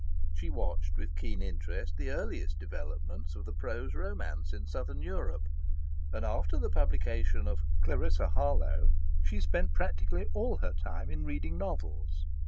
She watched with keen interest the earliest developments of the prose romance in southern Europe; and after the publication of "Clarissa Harlowe" she spent practically all her time in reading novels.